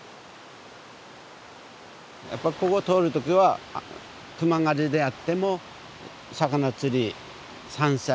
やっぱここ通る時は熊狩りであっても魚釣り山菜